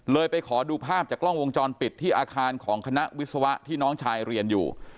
ไปขอดูภาพจากกล้องวงจรปิดที่อาคารของคณะวิศวะที่น้องชายเรียนอยู่